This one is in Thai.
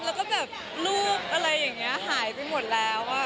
แล้วก็แบบรูปอะไรอย่างนี้หายไปหมดแล้ว